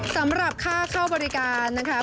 สำหรับค่าเข้าบริการนะคะ